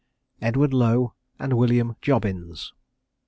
EDWARD LOWE AND WILLIAM JOBBINS.